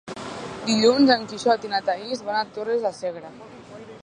Dilluns en Quixot i na Thaís van a Torres de Segre.